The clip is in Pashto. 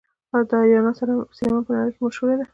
د ایران سینما په نړۍ کې مشهوره ده.